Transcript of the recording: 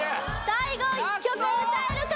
最後１曲歌えるか？